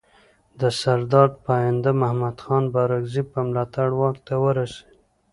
د سردار پاینده محمد خان بارکزي په ملاتړ واک ته ورسېد.